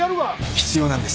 必要なんです